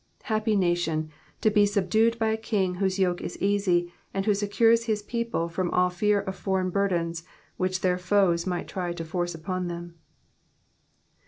Uappy nation, to be subdued by m King whose, yoke is easy, and who secures hiJi pc ople from all fear of foreign burdens which their foes iniglit try to force uprjn ibem.